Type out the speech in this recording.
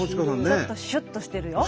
ちょっとシュッとしてるよ。